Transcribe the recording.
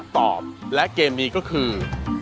การตอบคำถามแบบไม่ตรงคำถามนะครับ